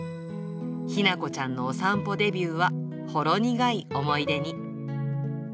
日向子ちゃんのお散歩デビューはほろ苦い思い出に。